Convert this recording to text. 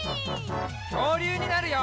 きょうりゅうになるよ！